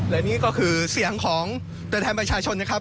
และนี่ก็คือเสียงของตัวแทนประชาชนนะครับ